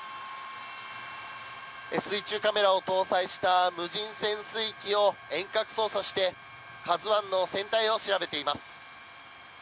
水中カメラを搭載した無人潜水機を遠隔操作して「ＫＡＺＵ１」の船体を調べています。